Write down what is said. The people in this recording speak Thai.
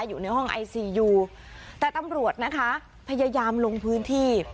อยู่ในห้องไอซียูแต่ตำรวจนะคะพยายามลงพื้นที่